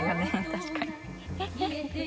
確かに。